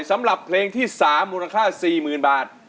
สำหรับเพลงที่๓มูลค่า๔๐๐๐บาท